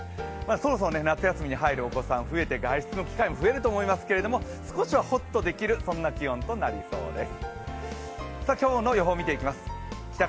そろそろ夏休みに入るお子さん増えて外出の機会も増えるとはおもいますけど、少しはほっとできるそんな気温となりそうです。